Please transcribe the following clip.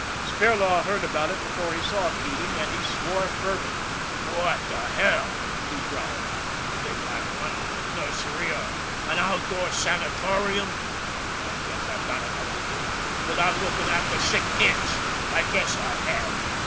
Spirlaw heard about it before he saw Keating, and he swore fervently. " What the hell !" he growled. " Think I'm runnin' a nursery or an outdoor sanatorium ? I guess I've got enough to do without lookin' after sick kids, I guess I have.